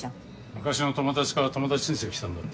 昔の友達から友達申請来たんだって。